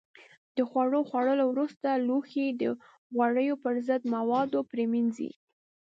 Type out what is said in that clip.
د خوړو خوړلو وروسته لوښي د غوړیو پر ضد موادو پرېمنځئ.